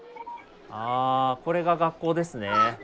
あこれが学校ですね。